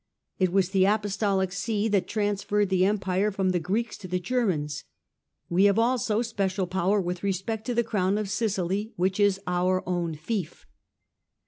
It was the Apostolic See that transferred the Empire from the Greeks to the Germans. We have also special power with respect to the Crown of Sicily, which is our own fief."